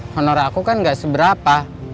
honor aku kan gak seberapa